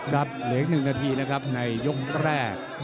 ครับเหลืออีกหนึ่งนาทีนะครับในยกแรก